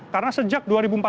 karena sejak dua ribu empat belas